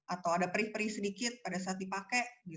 atau ada perih perih sedikit pada saat dipakai